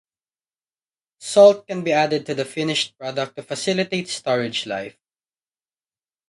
Salt can be added to the finished product to facilitate storage life.